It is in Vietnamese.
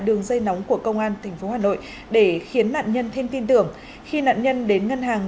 đường dây nóng của công an tp hà nội để khiến nạn nhân thêm tin tưởng khi nạn nhân đến ngân hàng